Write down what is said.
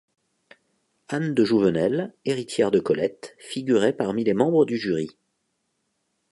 Anne de Jouvenel, héritière de Colette figurait parmi les membres du Jury.